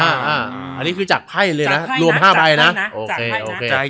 อันนี้คือจักภัยเลยนะจักภัยนะรวมห้าใบนะจักภัย